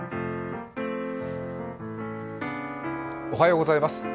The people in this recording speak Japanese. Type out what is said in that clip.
おはようございます。